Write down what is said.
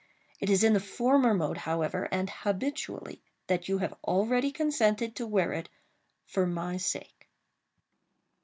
It is in the former mode, however, and habitually, that you have already consented to wear it for my sake."